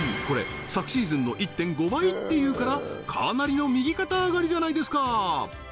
これ昨シーズンの１．５倍っていうからかなりの右肩上がりじゃないですか！